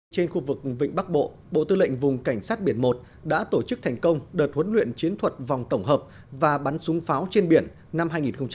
trên khu vực vịnh bắc bộ bộ tư lệnh vùng cảnh sát biển một đã tổ chức thành công đợt huấn luyện chiến thuật vòng tổng hợp và bắn súng pháo trên biển năm hai nghìn hai mươi